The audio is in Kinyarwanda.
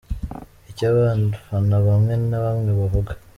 Icyo abafana bamwe na bamwe bavuga… .